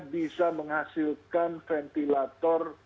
bisa menghasilkan ventilator